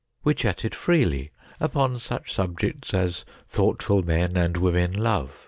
We chatted freely upon such subjects as thoughtful men and women love.